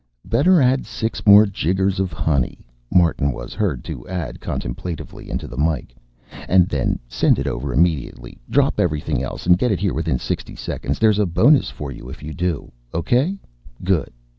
" better add six more jiggers of honey," Martin was heard to add contemplatively into the mike. "And then send it over immediately. Drop everything else, and get it here within sixty seconds. There's a bonus for you if you do. Okay? Good.